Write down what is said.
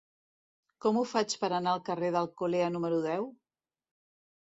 Com ho faig per anar al carrer d'Alcolea número deu?